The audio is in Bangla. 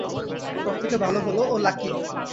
সব থেকে ভাল হল, ও লাকি।